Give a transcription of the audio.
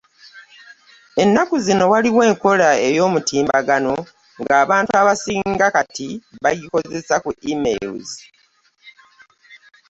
Ennaku zino waliwo enkola ey’omutimbagano ng’abantu absinga kati bakozesa E-mails.